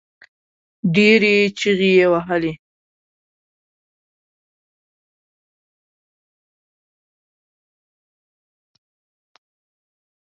ډېرې چيغې يې وهلې.